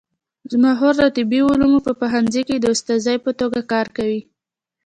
زما خور د طبي علومو په پوهنځي کې د استادې په توګه کار کوي